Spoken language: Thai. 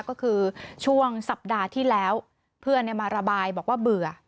ก็คือช่วงสัปดาห์ที่แล้วเพื่อนมาระบายบอกว่าเบื่อ